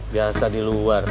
biasa di luar